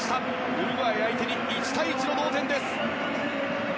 ウルグアイ相手に１対１の同点です。